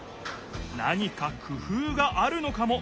何かくふうがあるのかも！